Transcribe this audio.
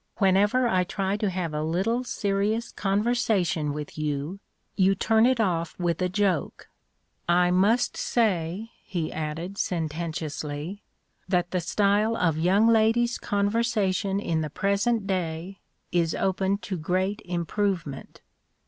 Whenever I try to have a little serious conversation with you, you turn it off with a joke. I must say," he added, sententiously, "that the style of young ladies' conversation in the present day is open to great improvement."